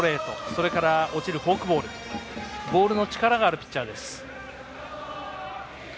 それから落ちるフォークボールボールの力があるピッチャーです。